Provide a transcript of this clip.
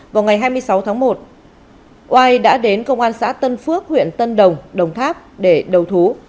vào ngày hai mươi sáu tháng một oai đã đến công an xã tân phước huyện tân đồng đồng tháp để đầu thú